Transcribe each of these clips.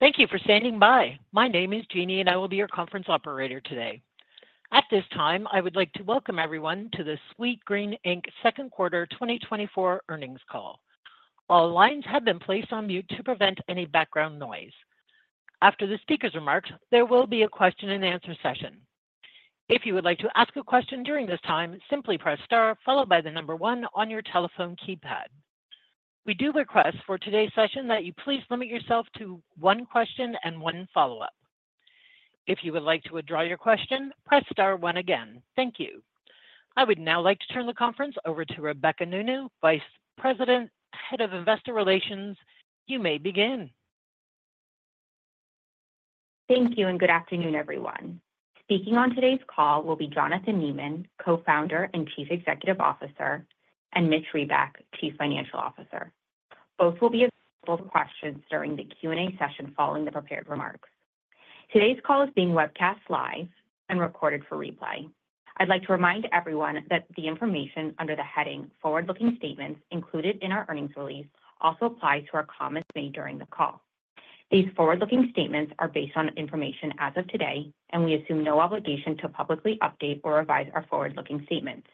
Thank you for standing by. My name is Jeannie, and I will be your conference operator today. At this time, I would like to welcome everyone to the Sweetgreen, Inc. Q2 2024 Earnings Call. All lines have been placed on mute to prevent any background noise. After the speaker's remarks, there will be a Q&A session. If you would like to ask a question during this time, simply press star, followed by the number one on your telephone keypad. We do request for today's session that you please limit yourself to one question and one follow-up. If you would like to withdraw your question, press star one again. Thank you. I would now like to turn the conference over to Rebecca Nounou, Vice President, Head of Investor Relations. You may begin. Thank you, and good afternoon, everyone. Speaking on today's call will be Jonathan Neman, Co-founder and Chief Executive Officer, and Mitch Reback, Chief Financial Officer. Both will be available for questions during the Q&A session following the prepared remarks. Today's call is being webcast live and recorded for replay. I'd like to remind everyone that the information under the heading "Forward-Looking Statements" included in our earnings release, also applies to our comments made during the call. These forward-looking statements are based on information as of today, and we assume no obligation to publicly update or revise our forward-looking statements.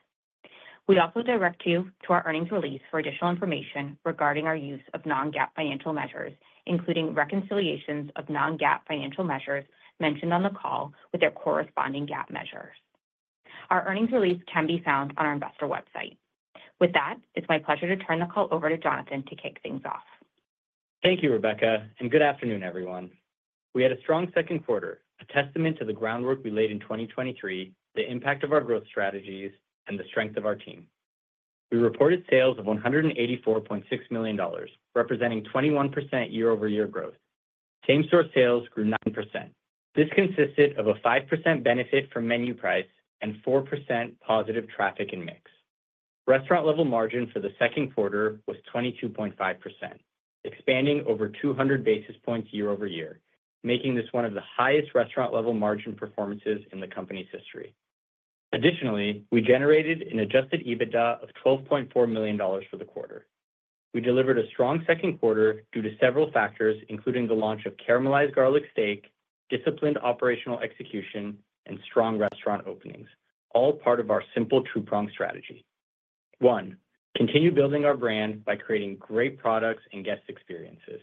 We'd also direct you to our earnings release for additional information regarding our use of non-GAAP financial measures, including reconciliations of non-GAAP financial measures mentioned on the call with their corresponding GAAP measures. Our earnings release can be found on our investor website. With that, it's my pleasure to turn the call over to Jonathan to kick things off. Thank you, Rebecca, and good afternoon, everyone. We had a strong Q2, a testament to the groundwork we laid in 2023, the impact of our growth strategies, and the strength of our team. We reported sales of $184.6 million, representing 21% year-over-year growth. Same-store sales grew 9%. This consisted of a 5% benefit from menu price and 4% positive traffic and mix. Restaurant-level margin for the Q2 was 22.5%, expanding over 200 basis points year-over-year, making this one of the highest restaurant-level margin performances in the company's history. Additionally, we generated an Adjusted EBITDA of $12.4 million for the quarter. We delivered a strong Q2 due to several factors, including the launch of Caramelized Garlic Steak, disciplined operational execution, and strong restaurant openings, all part of our simple two-prong strategy. One, continue building our brand by creating great products and guest experiences.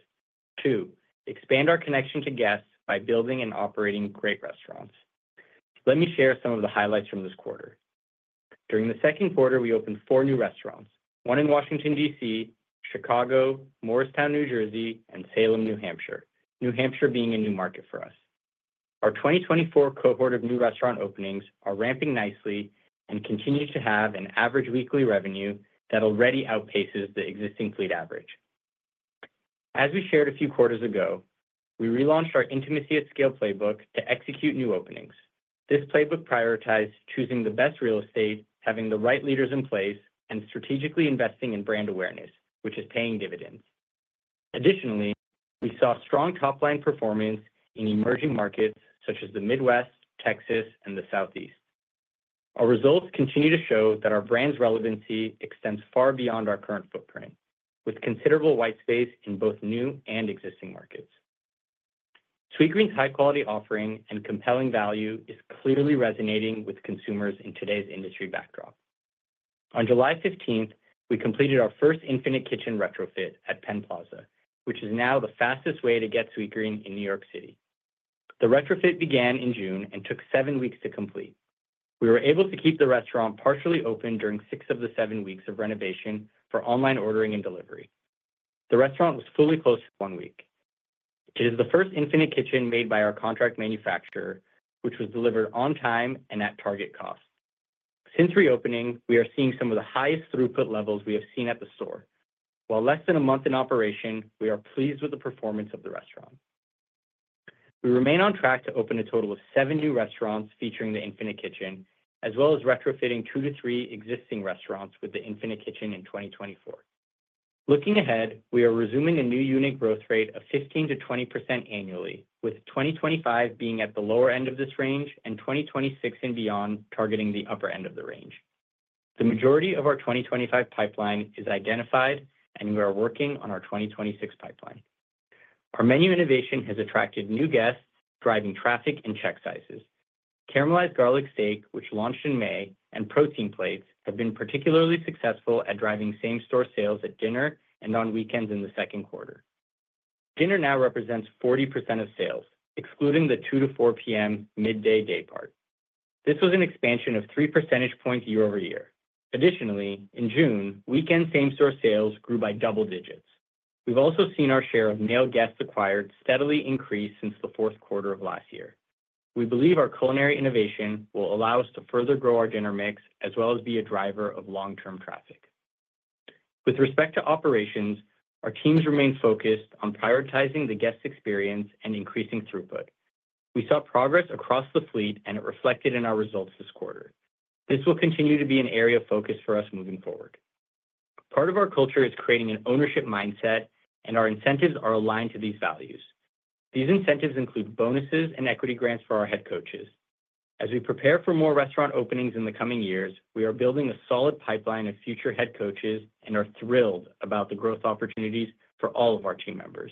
Two, expand our connection to guests by building and operating great restaurants. Let me share some of the highlights from this quarter. During the Q2, we opened four new restaurants, one in Washington, D.C., Chicago, Morristown, New Jersey, and Salem, New Hampshire. New Hampshire being a new market for us. Our 2024 cohort of new restaurant openings are ramping nicely and continue to have an average weekly revenue that already outpaces the existing fleet average. As we shared a few quarters ago, we relaunched our Intimacy at Scale playbook to execute new openings. This playbook prioritized choosing the best real estate, having the right leaders in place, and strategically investing in brand awareness, which is paying dividends. Additionally, we saw strong top-line performance in emerging markets such as the Midwest, Texas, and the Southeast. Our results continue to show that our brand's relevancy extends far beyond our current footprint, with considerable white space in both new and existing markets. Sweetgreen's high-quality offering and compelling value is clearly resonating with consumers in today's industry backdrop. On July 15th, we completed our first Infinite Kitchen retrofit at Penn Plaza, which is now the fastest way to get Sweetgreen in New York City. The retrofit began in June and took seven weeks to complete. We were able to keep the restaurant partially open during six of the seven weeks of renovation for online ordering and delivery. The restaurant was fully closed for one week. It is the first Infinite Kitchen made by our contract manufacturer, which was delivered on time and at target cost. Since reopening, we are seeing some of the highest throughput levels we have seen at the store. While less than a month in operation, we are pleased with the performance of the restaurant. We remain on track to open a total of seven new restaurants featuring the Infinite Kitchen, as well as retrofitting two to three existing restaurants with the Infinite Kitchen in 2024. Looking ahead, we are resuming a new unit growth rate of 15% to 20% annually, with 2025 being at the lower end of this range and 2026 and beyond targeting the upper end of the range. The majority of our 2025 pipeline is identified, and we are working on our 2026 pipeline. Our menu innovation has attracted new guests, driving traffic and check sizes. Caramelized Garlic Steak, which launched in May, and Protein Plates, have been particularly successful at driving same-store sales at dinner and on weekends in the Q2. Dinner now represents 40% of sales, excluding the 2 to 4 P.M. midday daypart. This was an expansion of 3 percentage points year-over-year. Additionally, in June, weekend same-store sales grew by double digits. We've also seen our share of male guests acquired steadily increase since the Q4 of last year. We believe our culinary innovation will allow us to further grow our dinner mix, as well as be a driver of long-term traffic. With respect to operations, our teams remain focused on prioritizing the guest experience and increasing throughput. We saw progress across the fleet, and it reflected in our results this quarter. This will continue to be an area of focus for us moving forward. Part of our culture is creating an ownership mindset, and our incentives are aligned to these values. These incentives include bonuses and equity grants for our Head Coaches. As we prepare for more restaurant openings in the coming years, we are building a solid pipeline of future Head Coaches and are thrilled about the growth opportunities for all of our team members.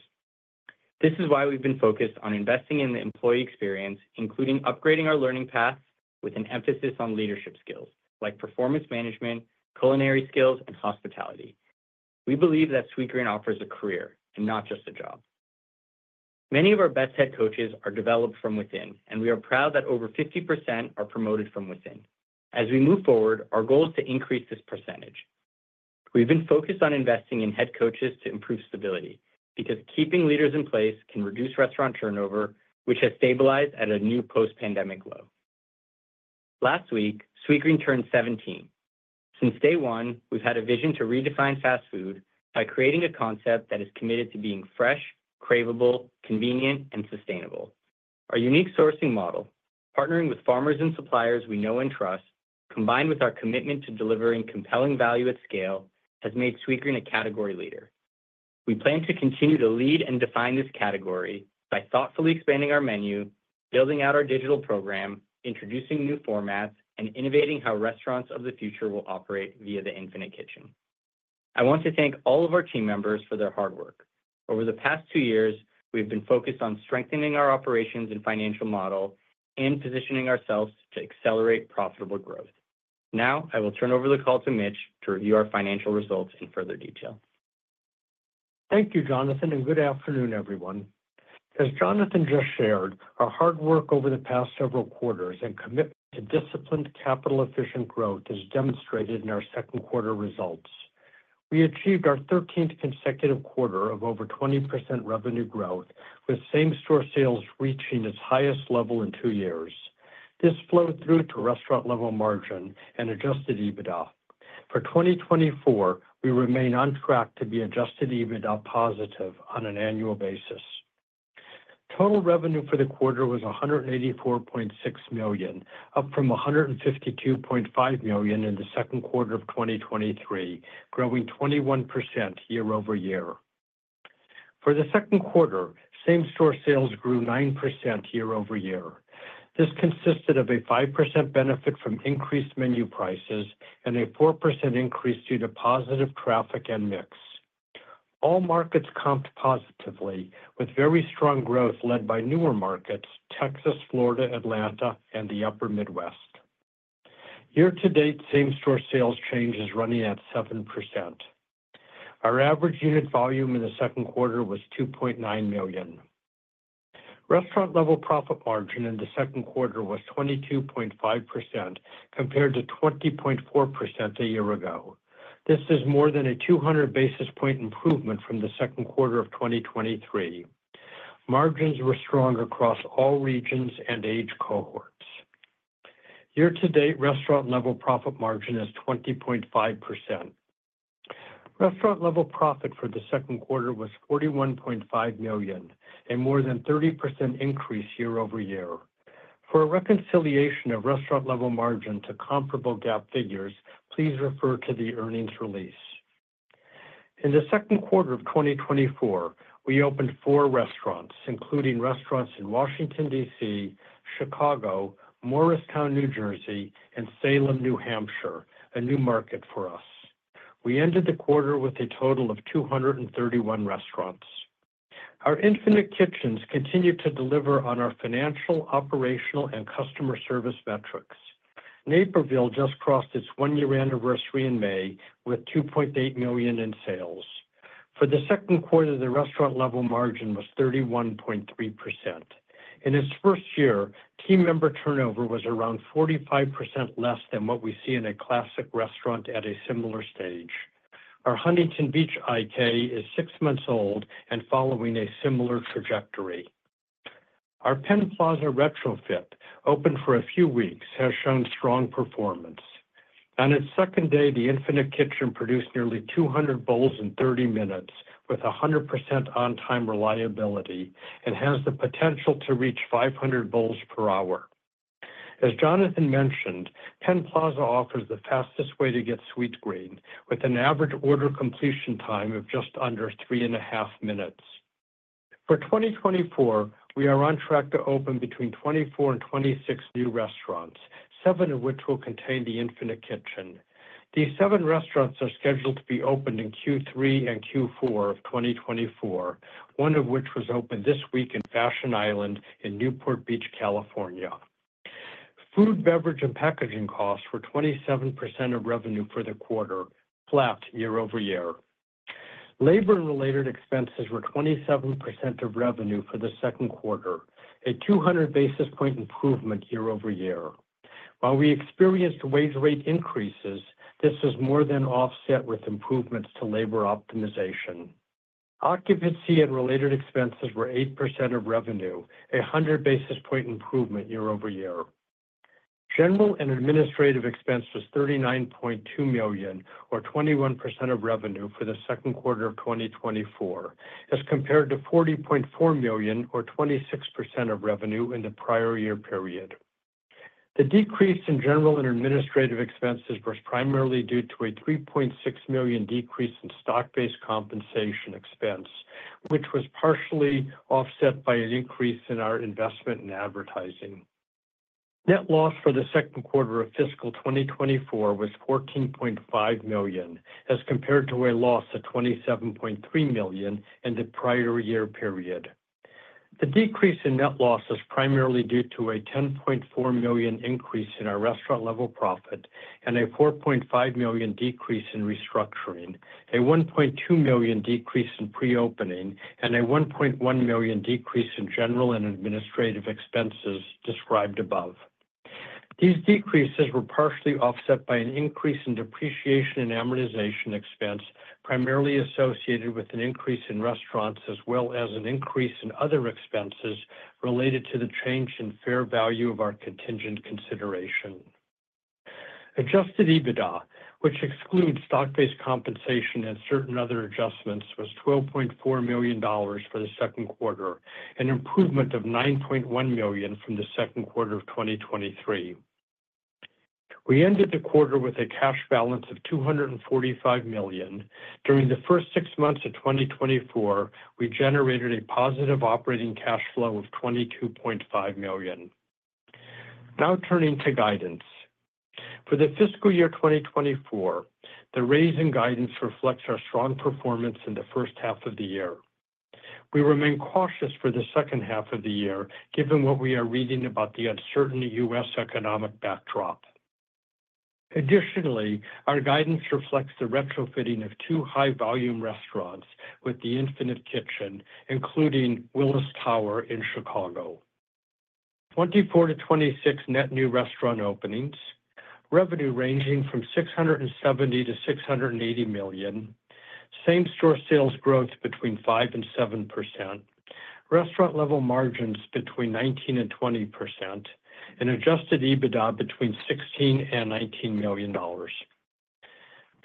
This is why we've been focused on investing in the employee experience, including upgrading our learning path with an emphasis on leadership skills like performance management, culinary skills, and hospitality. We believe that Sweetgreen offers a career and not just a job. Many of our best Head Coaches are developed from within, and we are proud that over 50% are promoted from within. As we move forward, our goal is to increase this percentage. We've been focused on investing in Head Coaches to improve stability, because keeping leaders in place can reduce restaurant turnover, which has stabilized at a new post-pandemic low. Last week, Sweetgreen turned 17. Since day one, we've had a vision to redefine fast food by creating a concept that is committed to being fresh, craveable, convenient, and sustainable. Our unique sourcing model, partnering with farmers and suppliers we know and trust, combined with our commitment to delivering compelling value at scale, has made Sweetgreen a category leader. We plan to continue to lead and define this category by thoughtfully expanding our menu, building out our digital program, introducing new formats, and innovating how restaurants of the future will operate via the Infinite Kitchen. I want to thank all of our team members for their hard work. Over the past two years, we've been focused on strengthening our operations and financial model and positioning ourselves to accelerate profitable growth. Now, I will turn over the call to Mitch to review our financial results in further detail. Thank you, Jonathan, and good afternoon, everyone. As Jonathan just shared, our hard work over the past several quarters and commitment to disciplined capital-efficient growth is demonstrated in our Q2 results. We achieved our thirteenth consecutive quarter of over 20% revenue growth, with same-store sales reaching its highest level in two years. This flowed through to restaurant-level margin and Adjusted EBITDA. For 2024, we remain on track to be Adjusted EBITDA positive on an annual basis. Total revenue for the quarter was $184.6 million, up from $152.5 million in the Q2 of 2023, growing 21% year-over-year. For the Q2, same-store sales grew 9% year-over-year. This consisted of a 5% benefit from increased menu prices and a 4% increase due to positive traffic and mix. All markets comped positively, with very strong growth led by newer markets, Texas, Florida, Atlanta, and the Upper Midwest. Year to date, same-store sales change is running at 7%. Our average unit volume in the Q2 was $2.9 million. Restaurant level profit margin in the Q2 was 22.5%, compared to 20.4% a year ago. This is more than a 200 basis point improvement from the Q2 of 2023. Margins were strong across all regions and age cohorts. Year to date, restaurant level profit margin is 20.5%. Restaurant level profit for the Q2 was $41.5 million, a more than 30% increase year-over-year. For a reconciliation of restaurant level margin to comparable GAAP figures, please refer to the earnings release. In the Q2 of 2024, we opened 4 restaurants, including restaurants in Washington, D.C., Chicago, Morristown, New Jersey, and Salem, New Hampshire, a new market for us. We ended the quarter with a total of 231 restaurants. Our Infinite Kitchens continue to deliver on our financial, operational, and customer service metrics. Naperville just crossed its one-year anniversary in May with $2.8 million in sales. For the Q2, the restaurant-level margin was 31.3%. In its first year, team member turnover was around 45% less than what we see in a classic restaurant at a similar stage. Our Huntington Beach IK is six months old and following a similar trajectory. Our Penn Plaza retrofit, opened for a few weeks, has shown strong performance. On its second day, the Infinite Kitchen produced nearly 200 bowls in 30 minutes with 100% on-time reliability and has the potential to reach 500 bowls per hour. As Jonathan mentioned, Penn Plaza offers the fastest way to get Sweetgreen, with an average order completion time of just under 3.5 minutes. For 2024, we are on track to open between 24 and 26 new restaurants, seven of which will contain the Infinite Kitchen. These seven restaurants are scheduled to be opened in Q3 and Q4 of 2024, one of which was opened this week in Fashion Island in Newport Beach, California. Food, beverage, and packaging costs were 27% of revenue for the quarter, flat year-over-year. Labor and related expenses were 27% of revenue for the Q2, a 200 basis point improvement year-over-year. While we experienced wage rate increases, this was more than offset with improvements to labor optimization. Occupancy and related expenses were 8% of revenue, a 100 basis point improvement year over year. General and administrative expense was $39.2 million or 21% of revenue for the Q2 of 2024, as compared to $40.4 million or 26% of revenue in the prior year period. The decrease in general and administrative expenses was primarily due to a $3.6 million decrease in stock-based compensation expense, which was partially offset by an increase in our investment in advertising. Net loss for the Q2 of fiscal 2024 was $14.5 million, as compared to a loss of $27.3 million in the prior year period. The decrease in net loss is primarily due to a $10.4 million increase in our restaurant level profit, and a $4.5 million decrease in restructuring, a $1.2 million decrease in pre-opening, and a $1.1 million decrease in general and administrative expenses described above. These decreases were partially offset by an increase in depreciation and amortization expense, primarily associated with an increase in restaurants, as well as an increase in other expenses related to the change in fair value of our contingent consideration. Adjusted EBITDA, which excludes stock-based compensation and certain other adjustments, was $12.4 million for the Q2, an improvement of $9.1 million from the Q2 of 2023. We ended the quarter with a cash balance of $245 million. During the first six months of 2024, we generated a positive operating cash flow of $22.5 million. Now turning to guidance. For the fiscal year 2024, the raise in guidance reflects our strong performance in the first half of the year. We remain cautious for the second half of the year, given what we are reading about the uncertain U.S. economic backdrop. Additionally, our guidance reflects the retrofitting of two high-volume restaurants with the Infinite Kitchen, including Willis Tower in Chicago. 24-26 net new restaurant openings, revenue ranging from $670 million to 680 million, same-store sales growth between 5% to 7%, restaurant-level margins between 19% to 20%, and Adjusted EBITDA between $16 million to 19 million.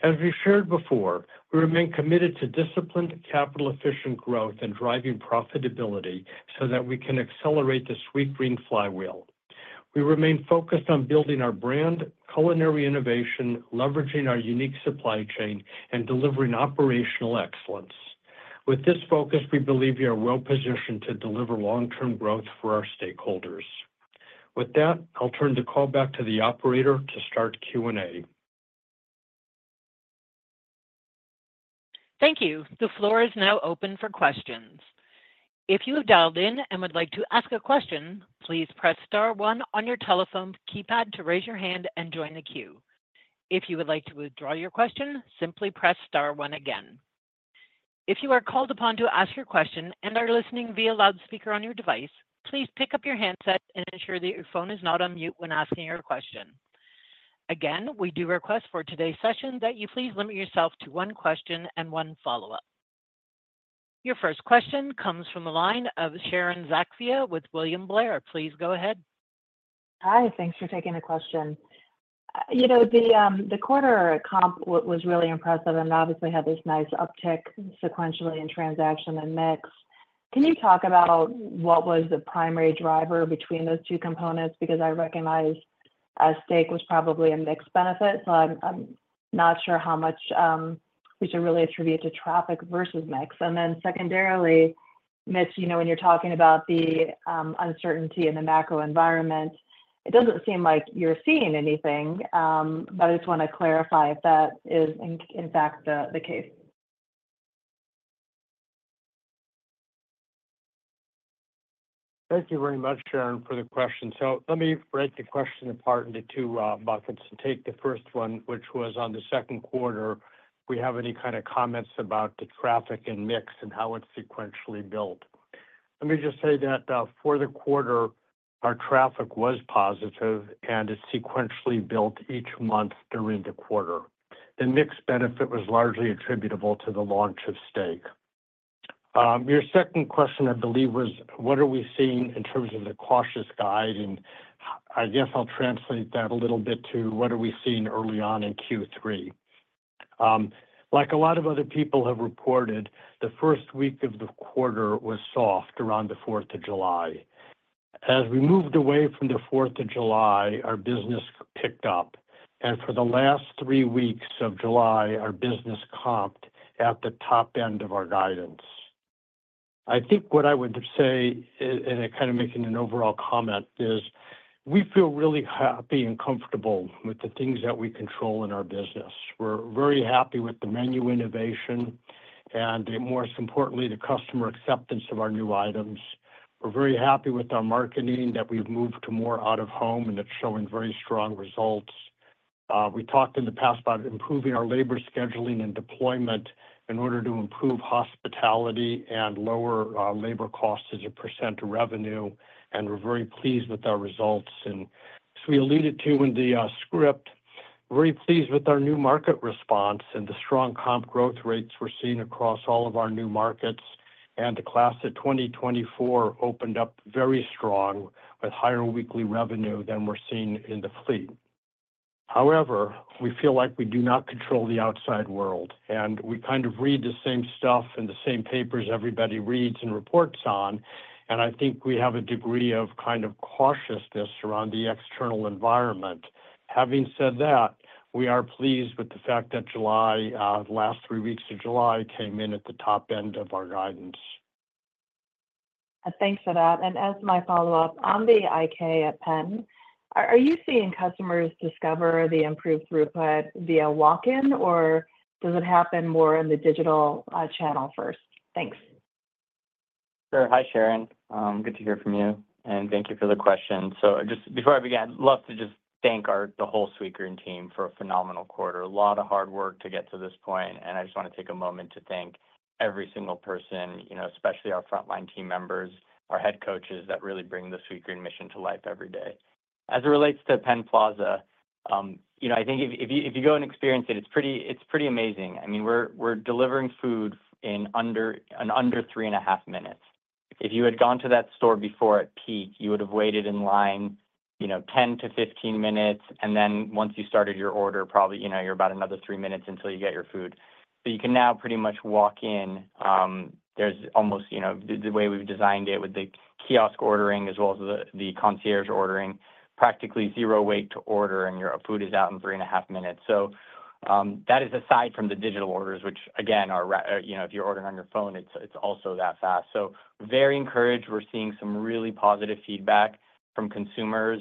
As we shared before, we remain committed to disciplined, capital-efficient growth and driving profitability so that we can accelerate the Sweetgreen flywheel. We remain focused on building our brand, culinary innovation, leveraging our unique supply chain, and delivering operational excellence. With this focus, we believe we are well positioned to deliver long-term growth for our stakeholders. With that, I'll turn the call back to the operator to start Q&A. Thank you. The floor is now open for questions. If you have dialed in and would like to ask a question, please press star one on your telephone keypad to raise your hand and join the queue. If you would like to withdraw your question, simply press star one again. If you are called upon to ask your question and are listening via loudspeaker on your device, please pick up your handset and ensure that your phone is not on mute when asking your question. Again, we do request for today's session that you please limit yourself to one question and one follow-up. Your first question comes from the line of Sharon Zackfia with William Blair. Please go ahead. Hi, thanks for taking the question. You know, the quarter comp was really impressive and obviously had this nice uptick sequentially in transaction and mix. Can you talk about what was the primary driver between those two components? Because I recognize steak was probably a mixed benefit, so I'm not sure how much we should really attribute to traffic versus mix. And then secondarily, Mitch, you know, when you're talking about the uncertainty in the macro environment, it doesn't seem like you're seeing anything, but I just wanna clarify if that is in fact the case. Thank you very much, Sharon, for the question. Let me break the question apart into two buckets. To take the first one, which was on the Q2, we have any kind of comments about the traffic and mix and how it sequentially built. Let me just say that, for the quarter, our traffic was positive and it sequentially built each month during the quarter. The mix benefit was largely attributable to the launch of Steak. Your second question, I believe, was what are we seeing in terms of the cautious guide? I guess I'll translate that a little bit to what are we seeing early on in Q3. Like a lot of other people have reported, the first week of the quarter was soft around the 4th of July. As we moved away from the 4th of July, our business picked up, and for the last three weeks of July, our business comped at the top end of our guidance. I think what I would say, and, and kind of making an overall comment, is we feel really happy and comfortable with the things that we control in our business. We're very happy with the menu innovation and most importantly, the customer acceptance of our new items. We're very happy with our marketing, that we've moved to more out of home, and it's showing very strong results. We talked in the past about improving our labor scheduling and deployment in order to improve hospitality and lower labor costs as a % of revenue, and we're very pleased with our results. As we alluded to in the script, very pleased with our new market response and the strong comp growth rates we're seeing across all of our new markets, and the class of 2024 opened up very strong, with higher weekly revenue than we're seeing in the fleet. However, we feel like we do not control the outside world, and we kind of read the same stuff in the same papers everybody reads and reports on, and I think we have a degree of kind of cautiousness around the external environment. Having said that, we are pleased with the fact that July, the last three weeks of July, came in at the top end of our guidance. Thanks for that. As my follow-up, on the IK at Penn, are you seeing customers discover the improved throughput via walk-in, or does it happen more in the digital channel first? Thanks. Sure. Hi, Sharon. Good to hear from you, and thank you for the question. Just before I begin, love to just thank the whole Sweetgreen team for a phenomenal quarter. A lot of hard work to get to this point, and I just wanna take a moment to thank every single person, you know, especially our frontline team members, our Head Coaches, that really bring the Sweetgreen mission to life every day. As it relates to Penn Plaza, you know, I think if you go and experience it, it's pretty amazing. I mean, we're delivering food in under 3.5 minutes. If you had gone to that store before at peak, you would have waited in line, you know, 10 to 15 minutes, and then once you started your order, probably, you know, you're about another three minutes until you get your food. So you can now pretty much walk in. There's you know, the way we've designed it, with the kiosk ordering as well as the concierge ordering, practically zero wait to order, and your food is out in three and half minutes. So, that is aside from the digital orders, which again, are, you know, if you're ordering on your phone, it's also that fast. So very encouraged. We're seeing some really positive feedback from consumers.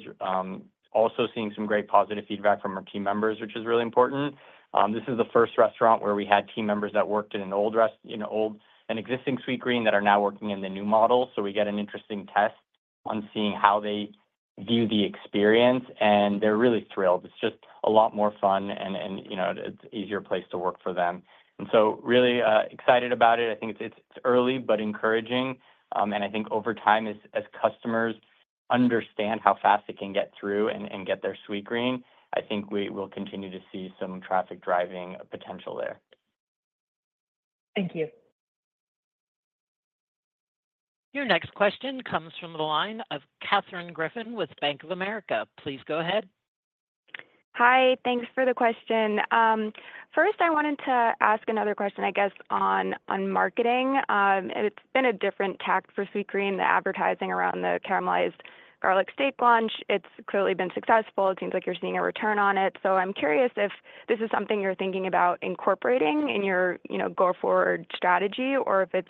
Also seeing some great positive feedback from our team members, which is really important. This is the first restaurant where we had team members that worked in an old—an existing Sweetgreen—that are now working in the new model. So we get an interesting test on seeing how they view the experience, and they're really thrilled. It's just a lot more fun and, you know, it's easier place to work for them. And so really excited about it. I think it's early but encouraging. And I think over time, as customers understand how fast it can get through and get their Sweetgreen, I think we will continue to see some traffic driving potential there. Thank you. Your next question comes from the line of Katherine Griffin with Bank of America. Please go ahead. Hi, thanks for the question. First, I wanted to ask another question, I guess, on marketing. And it's been a different tack for Sweetgreen, the advertising around the caramelized garlic steak launch. It's clearly been successful. It seems like you're seeing a return on it. So I'm curious if this is something you're thinking about incorporating in your, you know, go-forward strategy, or if it's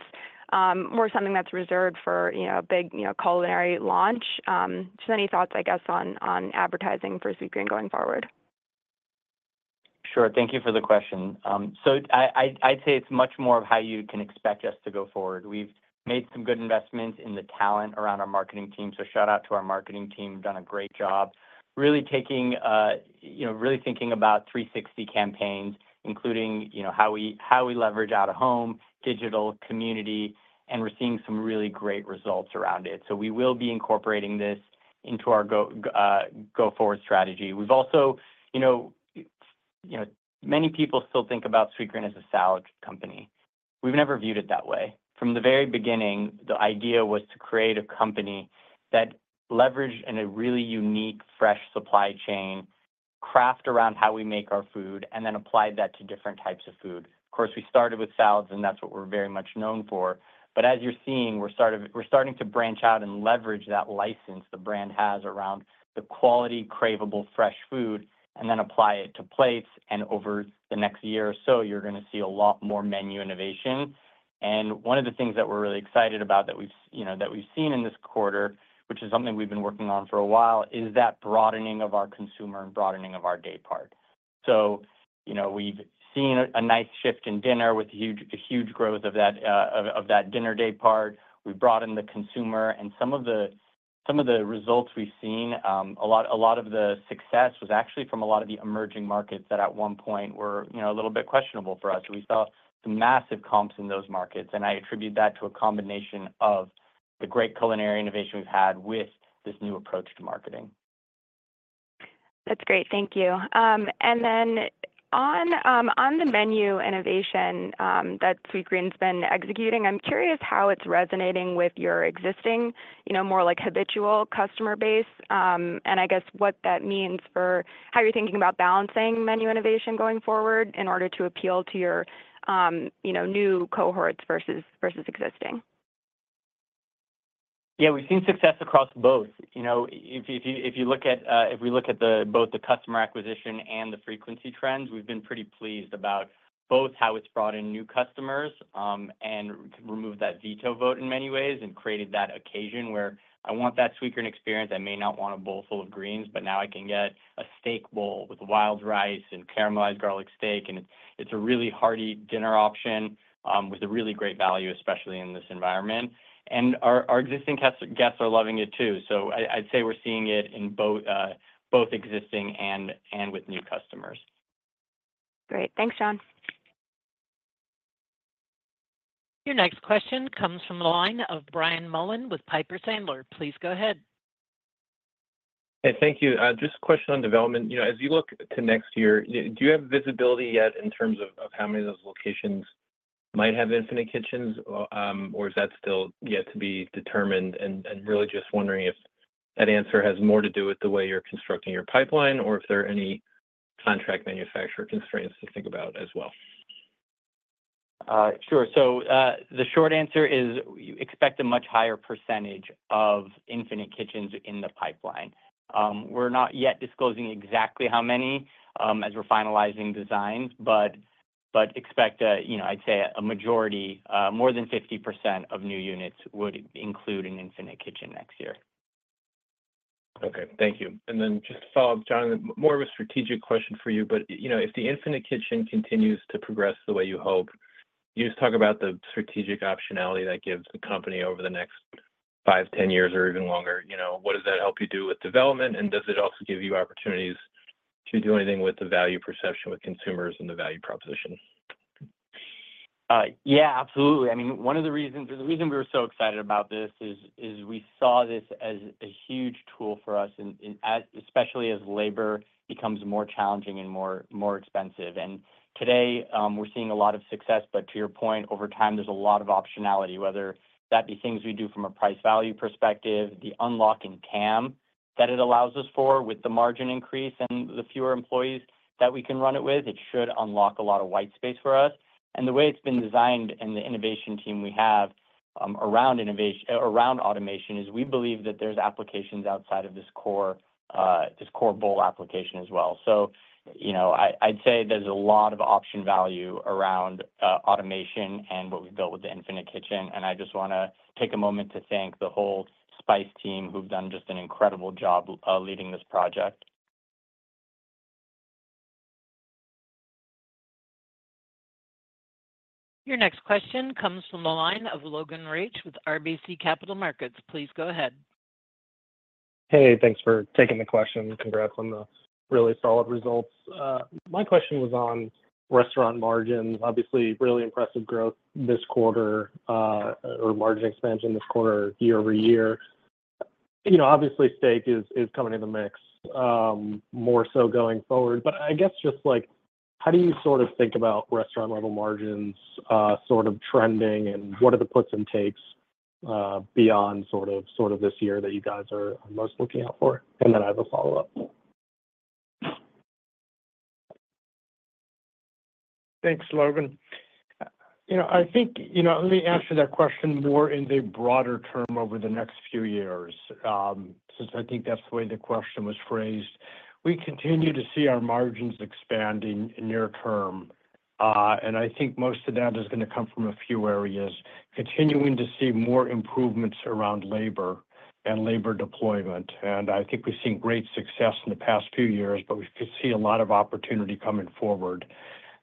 more something that's reserved for, you know, a big, you know, culinary launch. Just any thoughts, I guess, on advertising for Sweetgreen going forward? Sure. Thank you for the question. So I'd say it's much more of how you can expect us to go forward. We've made some good investments in the talent around our marketing team, so shout-out to our marketing team, done a great job. Really taking you know, really thinking about 360 campaigns, including you know, how we leverage out of home, digital, community, and we're seeing some really great results around it. So we will be incorporating this into our go-forward strategy. We've also you know, many people still think about Sweetgreen as a salad company. We've never viewed it that way. From the very beginning, the idea was to create a company that leveraged in a really unique, fresh supply chain, craft around how we make our food, and then applied that to different types of food. Of course, we started with salads, and that's what we're very much known for. But as you're seeing, we're starting to branch out and leverage that license the brand has around the quality, craveable, fresh food and then apply it to plates. And over the next year or so, you're gonna see a lot more menu innovation. And one of the things that we're really excited about that we've, you know, that we've seen in this quarter, which is something we've been working on for a while, is that broadening of our consumer and broadening of our day part. So, you know, we've seen a nice shift in dinner with a huge growth of that of that dinner day part. We've broadened the consumer and some of the results we've seen, a lot of the success was actually from a lot of the emerging markets that at one point were, you know, a little bit questionable for us. We saw some massive comps in those markets, and I attribute that to a combination of the great culinary innovation we've had with this new approach to marketing. That's great. Thank you. And then on the menu innovation that Sweetgreen's been executing, I'm curious how it's resonating with your existing, you know, more like habitual customer base. And I guess what that means for how you're thinking about balancing menu innovation going forward in order to appeal to your, you know, new cohorts versus existing. Yeah, we've seen success across both. You know, if you look at both the customer acquisition and the frequency trends, we've been pretty pleased about both how it's brought in new customers and removed that veto vote in many ways, and created that occasion where I want that Sweetgreen experience. I may not want a bowl full of greens, but now I can get a steak bowl with wild rice and Caramelized Garlic Steak, and it's a really hearty dinner option with a really great value, especially in this environment. And our existing guests are loving it too. So I'd say we're seeing it in both existing and with new customers. Great. Thanks, Sean. Your next question comes from the line of Brian Mullan with Piper Sandler. Please go ahead. Hey, thank you. Just a question on development. You know, as you look to next year, do you have visibility yet in terms of how many of those locations might have Infinite Kitchens, or is that still yet to be determined? And really just wondering if that answer has more to do with the way you're constructing your pipeline, or if there are any contract manufacturer constraints to think about as well. Sure. So, the short answer is we expect a much higher percentage of Infinite Kitchens in the pipeline. We're not yet disclosing exactly how many, as we're finalizing designs, but expect, you know, I'd say a majority, more than 50% of new units would include an Infinite Kitchen next year. Okay, thank you. And then just to follow up, Jonathan, more of a strategic question for you, but, you know, if the Infinite Kitchen continues to progress the way you hope, can you just talk about the strategic optionality that gives the company over the next 5, 10 years, or even longer? You know, what does that help you do with development, and does it also give you opportunities to do anything with the value perception with consumers and the value proposition? Yeah, absolutely. I mean, one of the reasons—the reason we were so excited about this is we saw this as a huge tool for us in, as especially as labor becomes more challenging and more expensive. And today, we're seeing a lot of success, but to your point, over time, there's a lot of optionality, whether that be things we do from a price value perspective, the unlock in TAM, that it allows us for with the margin increase and the fewer employees that we can run it with, it should unlock a lot of white space for us. And the way it's been designed, and the innovation team we have, around automation, is we believe that there's applications outside of this core, this core bowl application as well. So, you know, I'd say there's a lot of option value around automation and what we've built with the Infinite Kitchen. And I just wanna take a moment to thank the whole Spice team, who've done just an incredible job leading this project. Your next question comes from the line of Logan Reich with RBC Capital Markets. Please go ahead. Hey, thanks for taking the question, and congrats on the really solid results. My question was on restaurant margins. Obviously, really impressive growth this quarter, or margin expansion this quarter, year over year. You know, obviously, steak is coming in the mix more so going forward. But I guess just, like, how do you sort of think about restaurant-level margins sort of trending, and what are the puts and takes beyond sort of this year that you guys are most looking out for? And then I have a follow-up. Thanks, Logan. You know, I think, you know, let me answer that question more in the broader term over the next few years, since I think that's the way the question was phrased. We continue to see our margins expanding in near term, and I think most of that is gonna come from a few areas. Continuing to see more improvements around labor and labor deployment, and I think we've seen great success in the past few years, but we could see a lot of opportunity coming forward.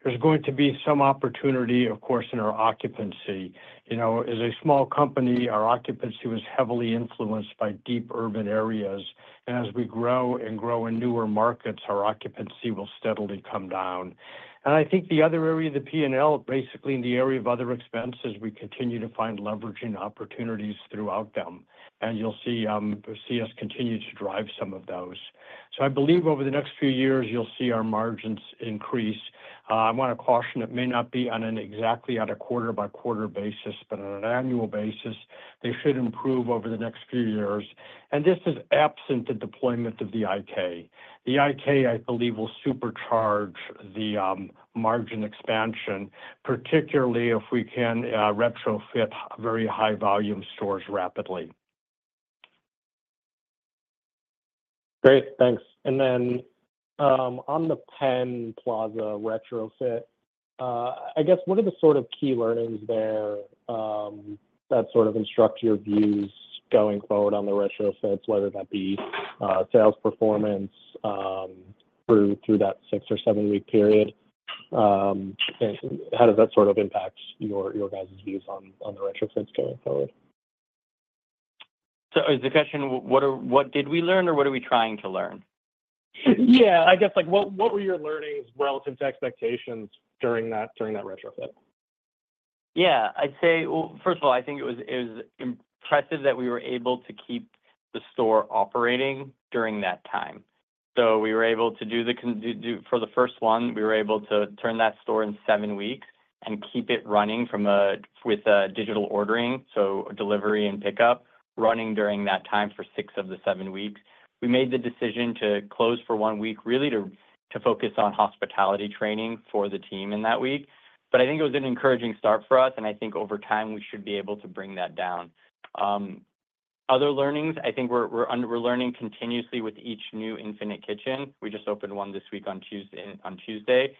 There's going to be some opportunity, of course, in our occupancy. You know, as a small company, our occupancy was heavily influenced by deep urban areas. As we grow and grow in newer markets, our occupancy will steadily come down. I think the other area of the P&L, basically in the area of other expenses, we continue to find leveraging opportunities throughout them, and you'll see us continue to drive some of those. So I believe over the next few years, you'll see our margins increase. I wanna caution it may not be on an exactly at a quarter-by-quarter basis, but on an annual basis, they should improve over the next few years, and this is absent the deployment of the IK. The IK, I believe, will supercharge the margin expansion, particularly if we can retrofit very high volume stores rapidly. Great, thanks. And then, on the Penn Plaza retrofit, I guess what are the sort of key learnings there, that sort of instruct your views going forward on the retrofits, whether that be, sales performance, through that 6 or 7-week period? And how does that sort of impact your, your guys' views on, on the retrofits going forward? So is the question, what did we learn or what are we trying to learn? Yeah, I guess, like, what were your learnings relative to expectations during that retrofit? Yeah. I'd say, well, first of all, I think it was impressive that we were able to keep the store operating during that time. So we were able to, for the first one, we were able to turn that store in 7 weeks and keep it running with digital ordering, so delivery and pickup, running during that time for 6 of the 7 weeks. We made the decision to close for 1 week, really to focus on hospitality training for the team in that week. But I think it was an encouraging start for us, and I think over time, we should be able to bring that down. Other learnings, I think we're learning continuously with each new Infinite Kitchen. We just opened one this week on Tuesday.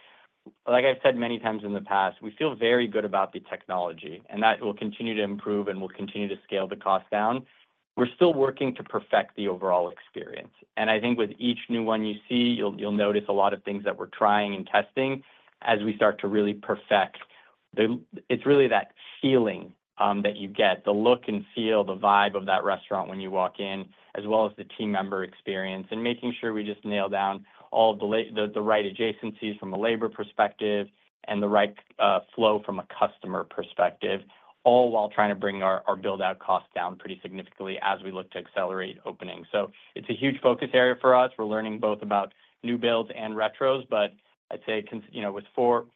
Like I've said many times in the past, we feel very good about the technology, and that will continue to improve, and we'll continue to scale the cost down. We're still working to perfect the overall experience. I think with each new one you see, you'll notice a lot of things that we're trying and testing as we start to really perfect the. It's really that feeling that you get, the look and feel, the vibe of that restaurant when you walk in, as well as the team member experience, and making sure we just nail down all the right adjacencies from a labor perspective and the right flow from a customer perspective, all while trying to bring our build-out costs down pretty significantly as we look to accelerate opening. It's a huge focus area for us. We're learning both about new builds and retros, but I'd say, you know, with four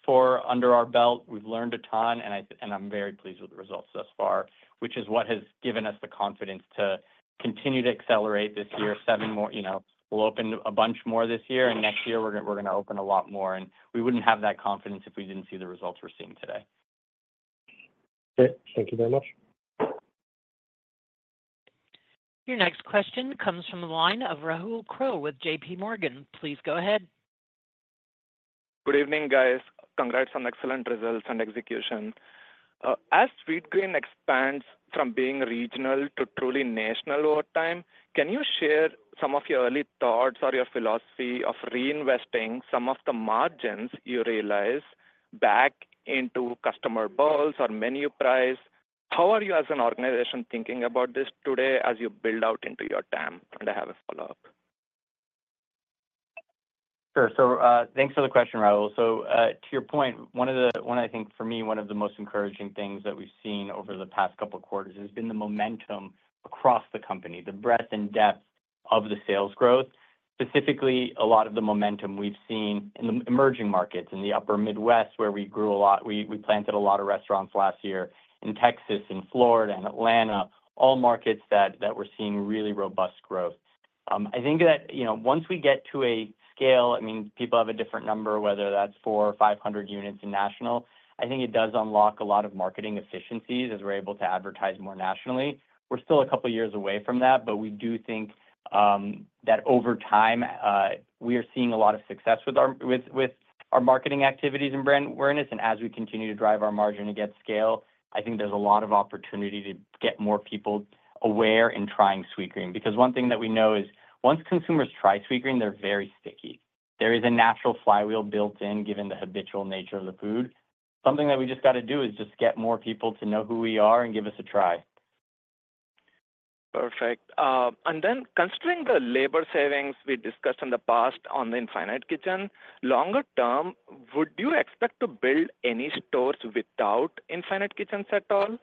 under our belt, we've learned a ton, and I'm very pleased with the results thus far, which is what has given us the confidence to continue to accelerate this year. Seven more, you know, we'll open a bunch more this year, and next year, we're gonna open a lot more, and we wouldn't have that confidence if we didn't see the results we're seeing today. Okay. Thank you very much. Your next question comes from the line of Rahul Krotthapalli with JPMorgan. Please go ahead. Good evening, guys. Congrats on the excellent results and execution. As Sweetgreen expands from being regional to truly national over time, can you share some of your early thoughts or your philosophy of reinvesting some of the margins you realize back into customer bowls or menu price? How are you as an organization thinking about this today as you build out into your TAM? And I have a follow-up. Sure. So, thanks for the question, Rahul. So, to your point, I think for me, one of the most encouraging things that we've seen over the past couple of quarters has been the momentum across the company, the breadth and depth of the sales growth. Specifically, a lot of the momentum we've seen in the emerging markets, in the Upper Midwest, where we grew a lot. We planted a lot of restaurants last year in Texas and Florida and Atlanta, all markets that we're seeing really robust growth. I think that, you know, once we get to a scale, I mean, people have a different number, whether that's 400 or 500 units in national, I think it does unlock a lot of marketing efficiencies as we're able to advertise more nationally. We're still a couple of years away from that, but we do think that over time we are seeing a lot of success with our marketing activities and brand awareness. And as we continue to drive our margin to get scale, I think there's a lot of opportunity to get more people aware and trying Sweetgreen. Because one thing that we know is once consumers try Sweetgreen, they're very sticky. There is a natural flywheel built in, given the habitual nature of the food. Something that we just got to do is just get more people to know who we are and give us a try. Perfect. And then considering the labor savings we discussed in the past on the Infinite Kitchen, longer term, would you expect to build any stores without Infinite Kitchens at all?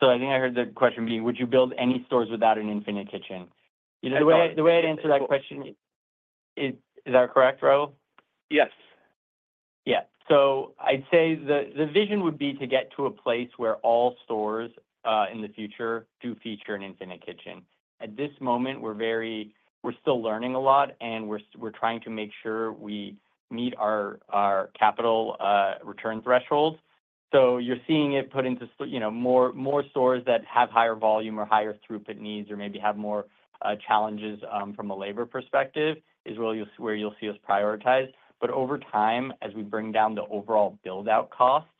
I think I heard the question being, would you build any stores without an Infinite Kitchen? That's right. The way I'd answer that question. is that correct, Rahul? Yes. Yeah. So I'd say the vision would be to get to a place where all stores in the future do feature an Infinite Kitchen. At this moment, we're still learning a lot, and we're trying to make sure we meet our capital return thresholds. So you're seeing it put into, you know, more stores that have higher volume or higher throughput needs or maybe have more challenges from a labor perspective, is where you'll see us prioritize. But over time, as we bring down the overall build-out costs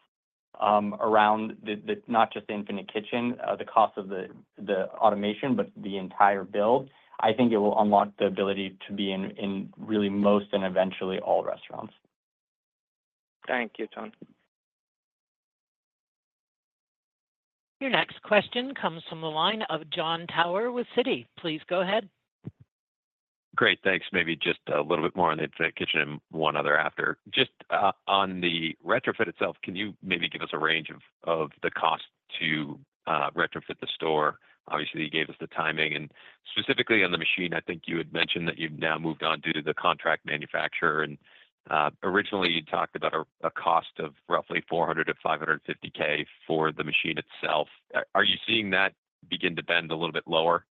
around the, not just the Infinite Kitchen, the cost of the automation, but the entire build, I think it will unlock the ability to be in really most and eventually all restaurants. Thank you, Jon. Your next question comes from the line of Jon Tower with Citi. Please go ahead. Great. Thanks. Maybe just a little bit more on the Infinite Kitchen and one other after. Just, on the retrofit itself, can you maybe give us a range of the cost to retrofit the store? Obviously, you gave us the timing and specifically on the machine, I think you had mentioned that you've now moved on due to the contract manufacturer. And, originally, you talked about a cost of roughly $400,000 to 550,000 for the machine itself. Are you seeing that begin to bend a little bit lower?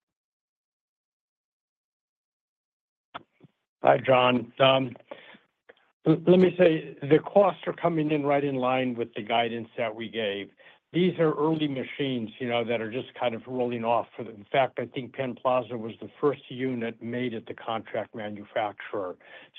Hi, Jon. Let me say, the costs are coming in right in line with the guidance that we gave. These are early machines, you know, that are just kind of rolling off. In fact, I think Penn Plaza was the first unit made at the contract manufacturer.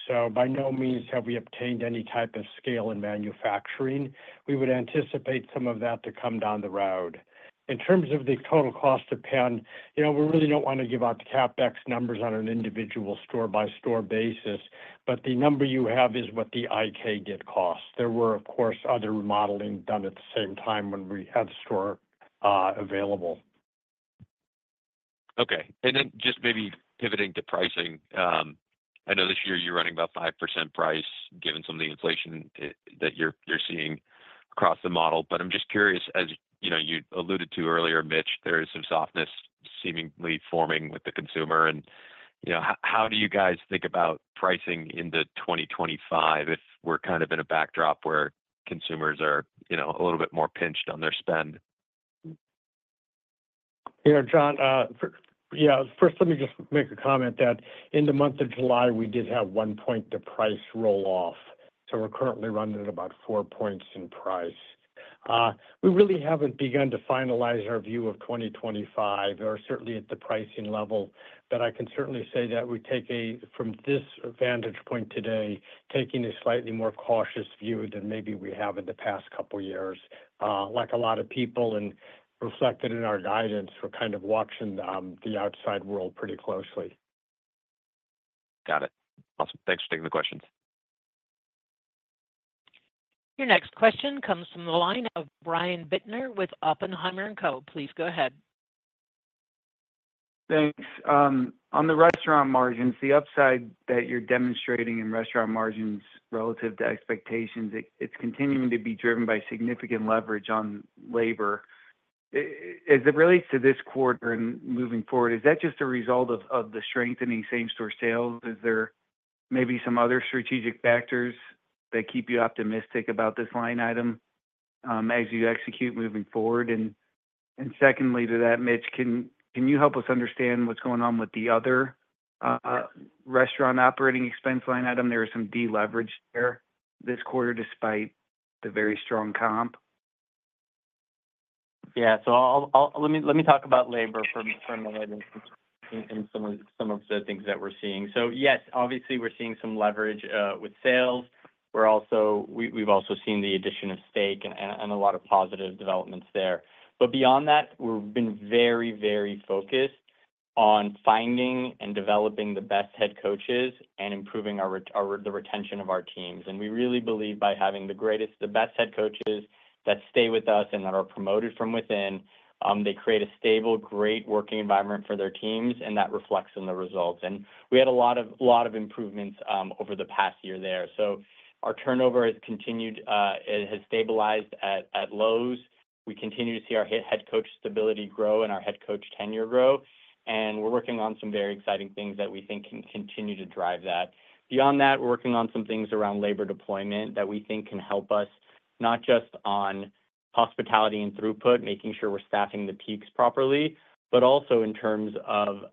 So by no means have we obtained any type of scale in manufacturing. We would anticipate some of that to come down the road. In terms of the total cost of Penn, you know, we really don't want to give out the CapEx numbers on an individual store-by-store basis, but the number you have is what the IK did cost. There were, of course, other remodeling done at the same time when we had store available. Okay. Then just maybe pivoting to pricing. I know this year you're running about 5% price given some of the inflation that you're seeing across the model. But I'm just curious, as you know, you alluded to earlier, Mitch, there is some softness seemingly forming with the consumer and, you know, how do you guys think about pricing into 2025 if we're kind of in a backdrop where consumers are, you know, a little bit more pinched on their spend? Yeah, Jon, yeah, first, let me just make a comment that in the month of July, we did have one point, the price roll-off, so we're currently running at about four points in price. We really haven't begun to finalize our view of 2025 or certainly at the pricing level, but I can certainly say that we take a, from this vantage point today, taking a slightly more cautious view than maybe we have in the past couple of years. Like a lot of people and reflected in our guidance, we're kind of watching the outside world pretty closely. Got it. Awesome. Thanks for taking the questions. Your next question comes from the line of Brian Bittner with Oppenheimer & Co. Please go ahead. Thanks. On the restaurant margins, the upside that you're demonstrating in restaurant margins relative to expectations, it's continuing to be driven by significant leverage on labor. As it relates to this quarter and moving forward, is that just a result of the strengthening same-store sales? Is there maybe some other strategic factors that keep you optimistic about this line item as you execute moving forward? And secondly, to that, Mitch, can you help us understand what's going on with the other restaurant operating expense line item? There was some deleverage there this quarter, despite the very strong comp? Yeah. So let me talk about labor from a labor and some of the things that we're seeing. So yes, obviously, we're seeing some leverage with sales. We're also we've also seen the addition of steak and a lot of positive developments there. But beyond that, we've been very, very focused on finding and developing the best Head Coaches and improving our retention of our teams. And we really believe by having the greatest, the best Head Coaches that stay with us and that are promoted from within, they create a stable, great working environment for their teams, and that reflects in the results. And we had a lot of improvements over the past year there. So our turnover has continued. It has stabilized at lows. We continue to see our Head Coach stability grow and our Head Coach tenure grow, and we're working on some very exciting things that we think can continue to drive that. Beyond that, we're working on some things around labor deployment that we think can help us, not just on hospitality and throughput, making sure we're staffing the peaks properly, but also in terms of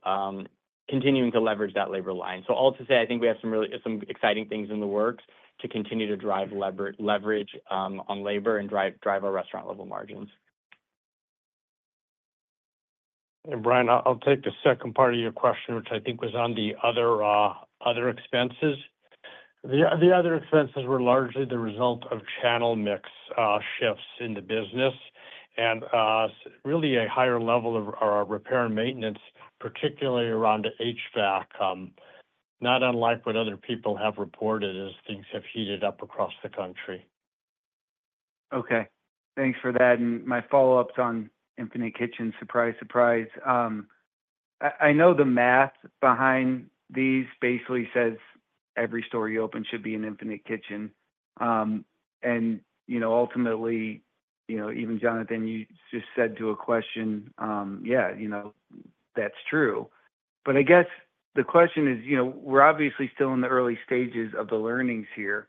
continuing to leverage that labor line. So all to say, I think we have some really exciting things in the works to continue to drive leverage on labor and drive our restaurant-level margins. And Brian, I'll take the second part of your question, which I think was on the other expenses. The other expenses were largely the result of channel mix shifts in the business and really a higher level of our repair and maintenance, particularly around the HVAC, not unlike what other people have reported as things have heated up across the country. Okay. Thanks for that. My follow-up's on Infinite Kitchen. Surprise, surprise. I know the math behind these basically says every store you open should be an Infinite Kitchen. You know, ultimately, you know, even Jonathan, you just said to a question, yeah, you know, that's true. But I guess the question is, you know, we're obviously still in the early stages of the learnings here,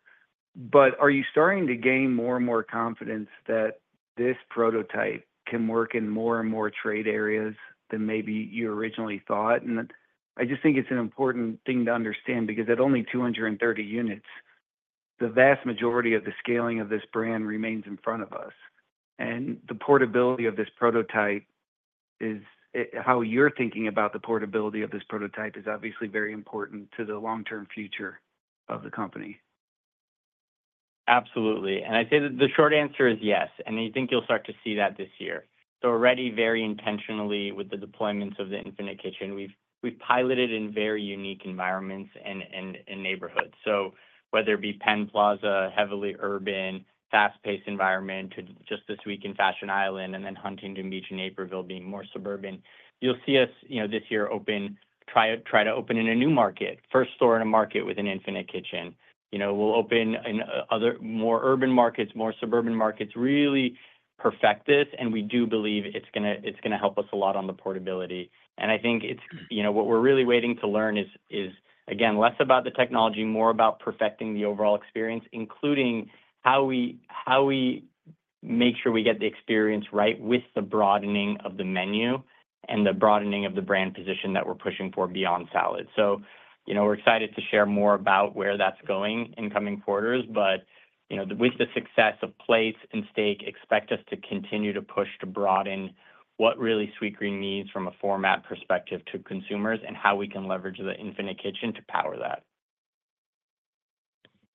but are you starting to gain more and more confidence that this prototype can work in more and more trade areas than maybe you originally thought? And I just think it's an important thing to understand, because at only 230 units, the vast majority of the scaling of this brand remains in front of us. How you're thinking about the portability of this prototype is obviously very important to the long-term future of the company. Absolutely. I'd say that the short answer is yes, and I think you'll start to see that this year. So already, very intentionally, with the deployments of the Infinite Kitchen, we've piloted in very unique environments and in neighborhoods. So whether it be Penn Plaza, heavily urban, fast-paced environment, to just this week in Fashion Island, and then Huntington Beach and Naperville being more suburban. You'll see us, you know, this year, open, try to open in a new market, first store in a market with an Infinite Kitchen. You know, we'll open in other more urban markets, more suburban markets, really perfect this, and we do believe it's gonna help us a lot on the portability. I think it's you know, what we're really waiting to learn is, again, less about the technology, more about perfecting the overall experience, including how we make sure we get the experience right with the broadening of the menu and the broadening of the brand position that we're pushing for beyond salad. You know, we're excited to share more about where that's going in coming quarters. You know, with the success of plates and steak, expect us to continue to push to broaden what really Sweetgreen means from a format perspective to consumers and how we can leverage the Infinite Kitchen to power that.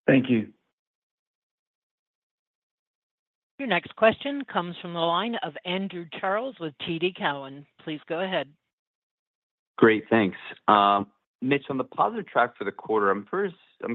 Thank you. Your next question comes from the line of Andrew Charles with TD Cowen. Please go ahead. Great. Thanks. Mitch, on the positive track for the quarter, I'm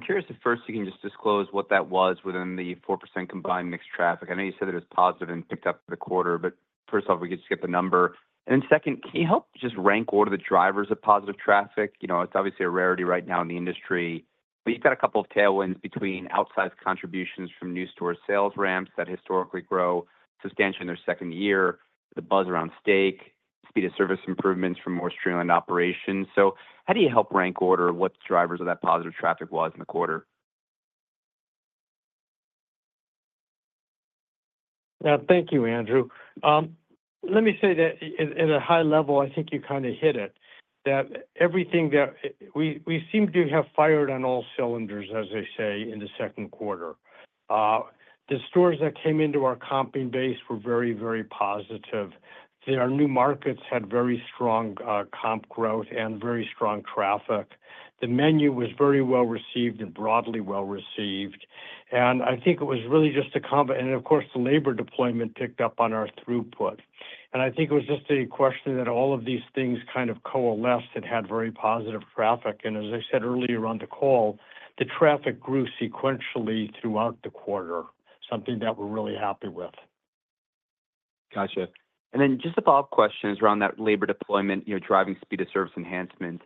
curious if first you can just disclose what that was within the 4% combined mixed traffic. I know you said it was positive and picked up for the quarter, but first off, we could skip the number. And then second, can you help just rank order the drivers of positive traffic? You know, it's obviously a rarity right now in the industry, but you've got a couple of tailwinds between outsized contributions from new store sales ramps that historically grow substantially in their second year, the buzz around Steak, speed of service improvements from more streamlined operations. So how do you help rank order what the drivers of that positive traffic was in the quarter? Thank you, Andrew. Let me say that in a high level, I think you kind of hit it, that everything we seem to have fired on all cylinders, as they say, in the Q2. The stores that came into our comping base were very, very positive. Our new markets had very strong comp growth and very strong traffic. The menu was very well received and broadly well received. And I think it was really just a combination and of course, the labor deployment picked up on our throughput. And I think it was just a question that all of these things kind of coalesced and had very positive traffic. And as I said earlier on the call, the traffic grew sequentially throughout the quarter, something that we're really happy with. Gotcha. Then just a follow-up question is around that labor deployment, you know, driving speed of service enhancement.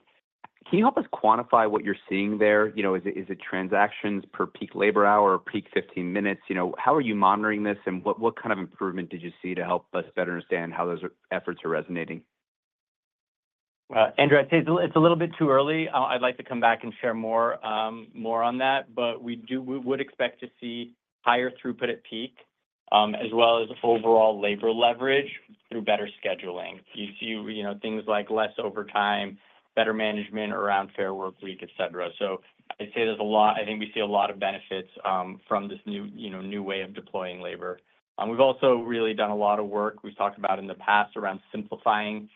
Can you help us quantify what you're seeing there? You know, is it transactions per peak labor hour or peak 15 minutes? You know, how are you monitoring this, and what kind of improvement did you see to help us better understand how those efforts are resonating? Andrew, I'd say it's a little bit too early. I'd like to come back and share more on that, but we would expect to see higher throughput at peak as well as overall labor leverage through better scheduling. You see, you know, things like less overtime, better management around Fair Workweek, et cetera. So I'd say there's a lot. I think we see a lot of benefits from this new, you know, new way of deploying labor. And we've also really done a lot of work, we've talked about in the past, around simplifying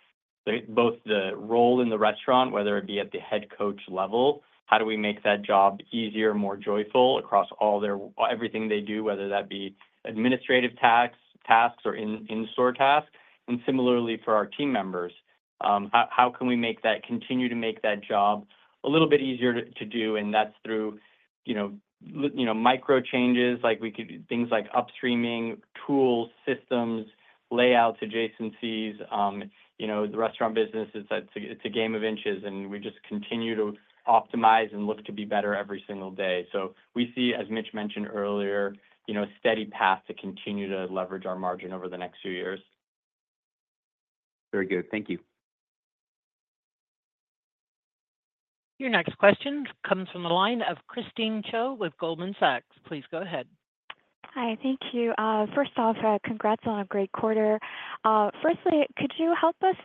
both the role in the restaurant, whether it be at the Head Coach level, how do we make that job easier, more joyful across all their everything they do, whether that be administrative tasks or in-store tasks? And similarly, for our team members, how can we make that continue to make that job a little bit easier to do? And that's through, you know, micro changes, like we could do things like upstreaming tools, systems, layouts, adjacencies. You know, the restaurant business, it's a game of inches, and we just continue to optimize and look to be better every single day. So we see, as Mitch mentioned earlier, you know, a steady path to continue to leverage our margin over the next few years. Very good. Thank you. Your next question comes from the line of Christine Cho with Goldman Sachs. Please go ahead. Hi, thank you. First off, congrats on a great quarter. Firstly, could you help us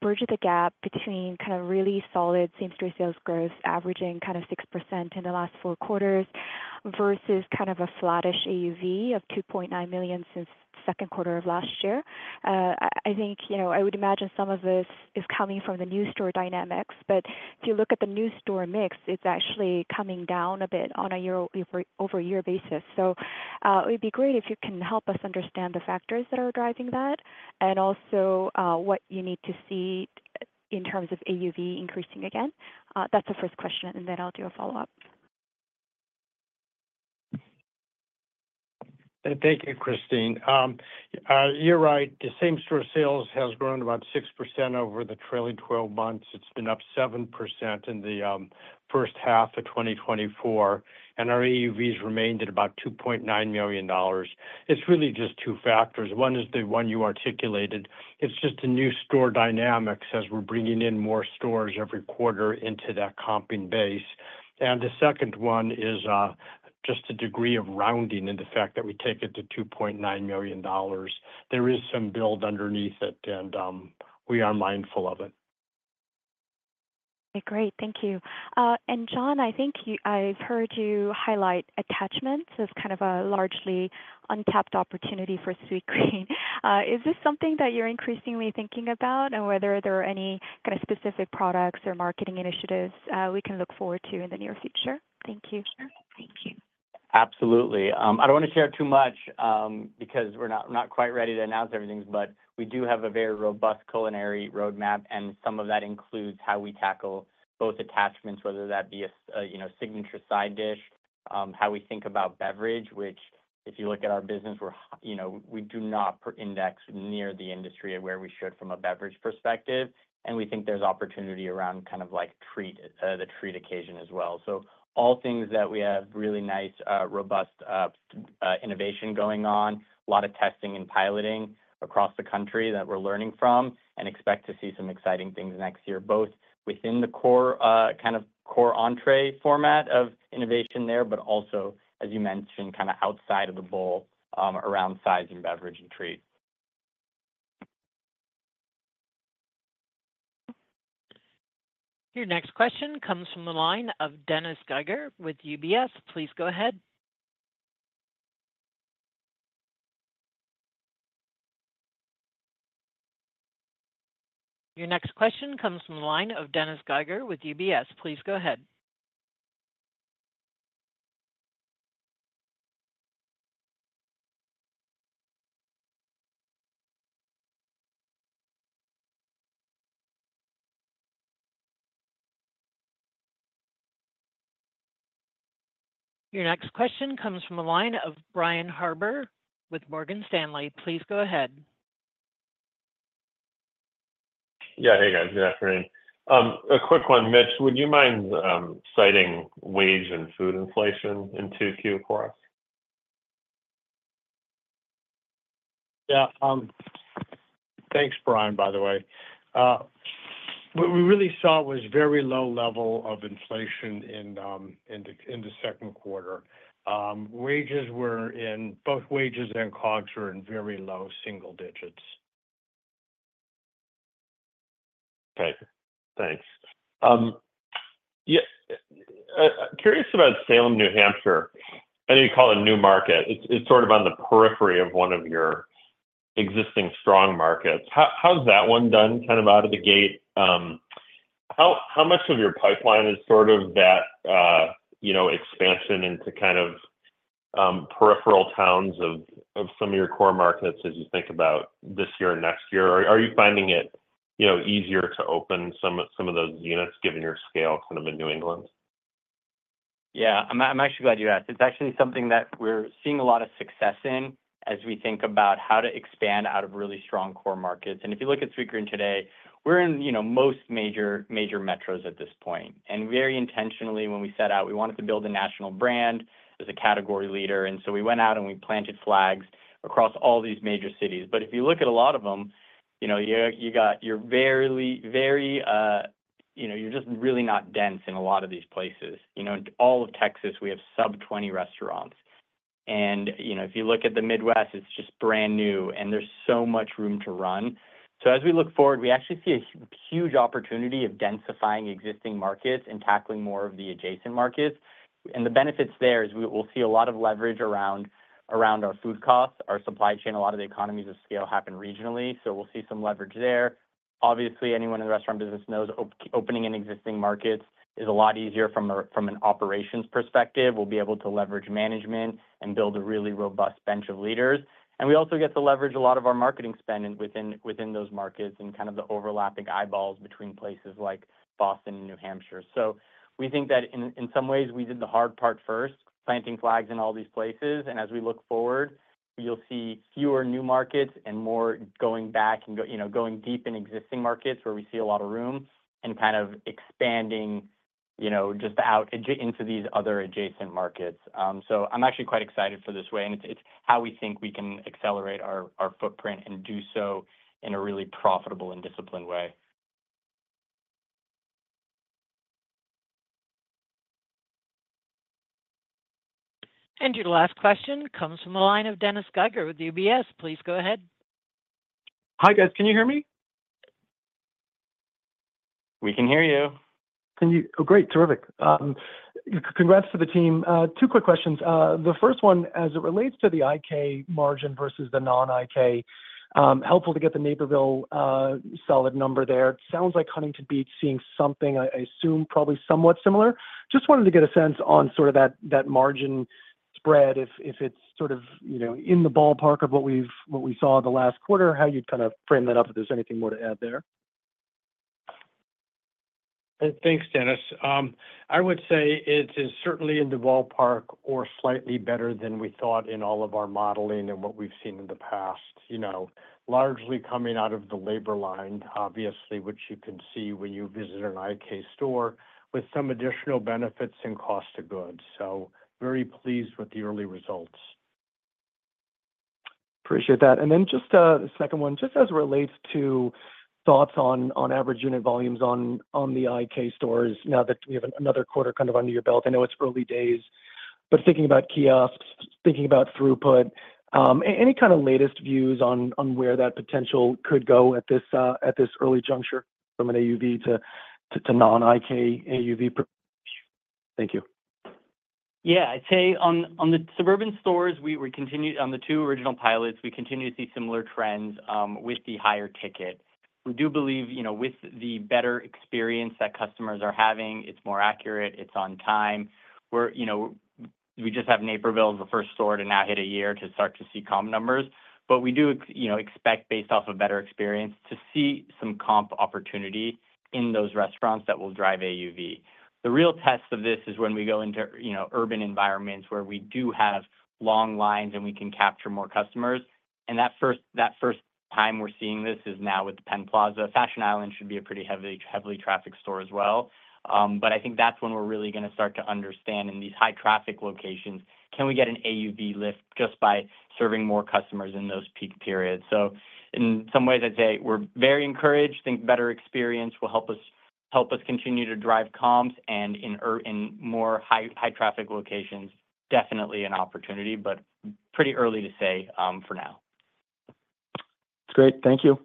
bridge the gap between kind of really solid same-store sales growth, averaging kind of 6% in the last four quarters, versus kind of a flattish AUV of $2.9 million since Q2 of last year? I think, you know, I would imagine some of this is coming from the new store dynamics, but if you look at the new store mix, it's actually coming down a bit on a year-over-year basis. So, it'd be great if you can help us understand the factors that are driving that, and also, what you need to see in terms of AUV increasing again. That's the first question, and then I'll do a follow-up. Thank you, Christine. You're right. The same-store sales has grown about 6% over the trailing twelve months. It's been up 7% in the first half of 2024, and our AUVs remained at about $2.9 million. It's really just two factors. One is the one you articulated. It's just a new store dynamics as we're bringing in more stores every quarter into that comping base. And the second one is just a degree of rounding, and the fact that we take it to $2.9 million. There is some build underneath it, and we are mindful of it. Great. Thank you. And John, I think I've heard you highlight attachments as kind of a largely untapped opportunity for Sweetgreen. Is this something that you're increasingly thinking about? And whether there are any kind of specific products or marketing initiatives, we can look forward to in the near future? Thank you. Thank you. Absolutely. I don't want to share too much, because we're not quite ready to announce everything, but we do have a very robust culinary roadmap, and some of that includes how we tackle both attachments, whether that be a signature side dish, you know, how we think about beverage, which, if you look at our business, we're, you know, we do not index near the industry where we should from a beverage perspective. And we think there's opportunity around kind of like treat, the treat occasion as well. So all things that we have really nice, robust innovation going on, a lot of testing and piloting across the country that we're learning from and expect to see some exciting things next year, both within the core, kind of core entree format of innovation there, but also, as you mentioned, kind of outside of the bowl, around sides and beverage and treats. Your next question comes from the line of Dennis Geiger with UBS. Please go ahead. Your next question comes from the line of Dennis Geiger with UBS. Please go ahead. Your next question comes from the line of Brian Harbour with Morgan Stanley. Please go ahead. Yeah. Hey, guys. Good afternoon. A quick one, Mitch, would you mind citing wage and food inflation in Q2 for us? Yeah. Thanks, Brian, by the way. What we really saw was very low level of inflation in the Q2. Both wages and COGS were in very low single digits. Okay, thanks. Yeah, curious about Salem, New Hampshire. I know you call it a new market. It's, it's sort of on the periphery of one of your existing strong markets. How, how's that one done, kind of out of the gate? How, how much of your pipeline is sort of that, you know, expansion into kind of, peripheral towns of, of some of your core markets as you think about this year and next year? Are you finding it, you know, easier to open some of, some of those units, given your scale, kind of in New England? Yeah, I'm actually glad you asked. It's actually something that we're seeing a lot of success in as we think about how to expand out of really strong core markets. And if you look at Sweetgreen today, we're in, you know, most major metros at this point. And very intentionally, when we set out, we wanted to build a national brand as a category leader, and so we went out and we planted flags across all these major cities. But if you look at a lot of them, you know, you got, you're very, very, you know, you're just really not dense in a lot of these places. You know, in all of Texas, we have sub-20 restaurants. And, you know, if you look at the Midwest, it's just brand new, and there's so much room to run. So as we look forward, we actually see a huge opportunity of densifying existing markets and tackling more of the adjacent markets. And the benefits there is we, we'll see a lot of leverage around our food costs, our supply chain. A lot of the economies of scale happen regionally, so we'll see some leverage there. Obviously, anyone in the restaurant business knows opening an existing market is a lot easier from a from an operations perspective. We'll be able to leverage management and build a really robust bench of leaders. And we also get to leverage a lot of our marketing spend in within those markets and kind of the overlapping eyeballs between places like Boston and New Hampshire. So we think that in some ways, we did the hard part first, planting flags in all these places. And as we look forward, you'll see fewer new markets and more going back and go, you know, going deep in existing markets where we see a lot of room, and kind of expanding, you know, just out into these other adjacent markets. So, I'm actually quite excited for this way, and it's, it's how we think we can accelerate our, our footprint and do so in a really profitable and disciplined way. Your last question comes from the line of Dennis Geiger with UBS. Please go ahead. Hi, guys. Can you hear me? We can hear you. Can you. Oh, great. Terrific. Congrats to the team. Two quick questions. The first one, as it relates to the IK margin versus the non-IK, helpful to get the Naperville solid number there. It sounds like Huntington Beach is seeing something, I assume, probably somewhat similar. Just wanted to get a sense on sort of that margin spread, if it's sort of, you know, in the ballpark of what we saw the last quarter, how you'd kind of frame that up, if there's anything more to add there. Thanks, Dennis. I would say it is certainly in the ballpark or slightly better than we thought in all of our modeling and what we've seen in the past. You know, largely coming out of the labor line, obviously, which you can see when you visit an IK store, with some additional benefits and cost of goods. So very pleased with the early results. Appreciate that. And then just a second one, just as it relates to thoughts on average unit volumes on the IK stores now that we have another quarter kind of under your belt. I know it's early days, but thinking about kiosks, thinking about throughput, any kind of latest views on where that potential could go at this early juncture from an AUV to non-IK AUV? Thank you. Yeah. I'd say on the suburban stores, we continue. On the two original pilots, we continue to see similar trends with the higher ticket. We do believe, you know, with the better experience that customers are having, it's more accurate, it's on time. We, you know, just have Naperville as the first store to now hit a year to start to see comp numbers. But we do, you know, expect, based off a better experience, to see some comp opportunity in those restaurants that will drive AUV. The real test of this is when we go into, you know, urban environments where we do have long lines and we can capture more customers. And that first time we're seeing this is now with Penn Plaza. Fashion Island should be a pretty heavily trafficked store as well. But I think that's when we're really gonna start to understand, in these high traffic locations, can we get an AUV lift just by serving more customers in those peak periods? So in some ways, I'd say we're very encouraged, think better experience will help us, help us continue to drive comps and in more high, high traffic locations. Definitely an opportunity, but pretty early to say, for now. Great. Thank you.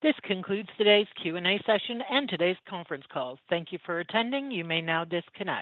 This concludes today's Q&A session and today's conference call. Thank you for attending. You may now disconnect.